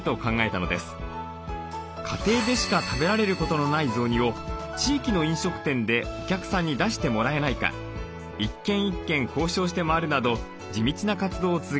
家庭でしか食べられることのない雑煮を地域の飲食店でお客さんに出してもらえないか１軒１軒交渉して回るなど地道な活動を続けてきました。